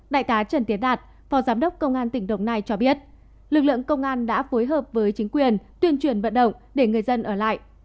đại tá trần tiến đạt phó giám đốc công an tỉnh đồng nai cho biết lực lượng công an đã phối hợp với chính quyền tuyên truyền vận động để người dân ở lại